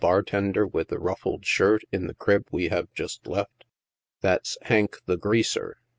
bar tender, with the ruffled shirt, in the crib we have just left i that's ' llank, the Greaser.'